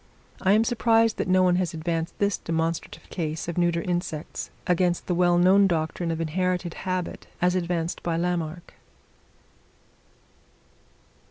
I am surprised that no one has advanced this demonstrative case of neuter insects, against the well known doctrine of inherited habit, as advanced by Lamarck.